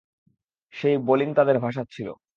সেই বোলিং তাদের ভাসাচ্ছিল।